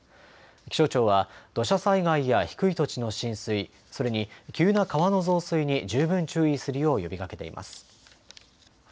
気象庁は土砂災害や低い土地の浸水、それに急な川の増水に十分注意するよう呼びかけています。